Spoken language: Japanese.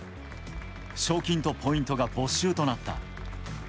賞金とポイントが没収となった。